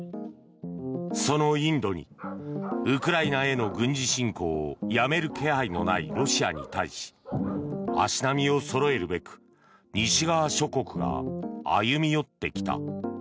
そのインドにウクライナへの軍事侵攻をやめる気配のないロシアに対し足並みをそろえるべく西側諸国が歩み寄ってきた。